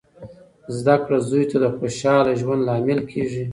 زده کړه زوی ته د خوشخاله ژوند لامل کیږي.